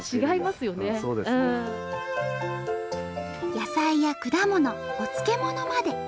野菜や果物お漬物まで。